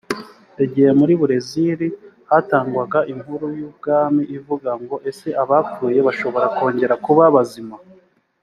igihe muri burezili hatangwaga inkuru y ubwami ivuga ngo ese abapfuye bashobora kongera kuba bazima